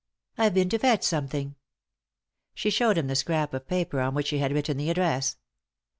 " I've been to fetch something." She showed him the scrap of paper on which she had written the address.